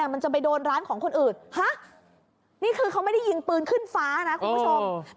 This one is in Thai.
มันจะไปโดนร้านของคนอื่นฮะนี่คือเขาไม่ได้ยิงปืนขึ้นฟ้านะคุณผู้ชม